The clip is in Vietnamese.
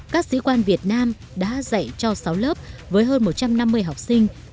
các sĩ quan việt nam đã dạy cho sáu lớp với hơn một trăm năm mươi học sinh